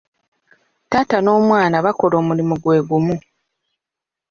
Taata n'omwana bakola omulimu gwe gumu.